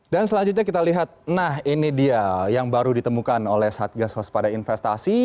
dan selanjutnya kita lihat nah ini dia yang baru ditemukan oleh satgas hospada investasi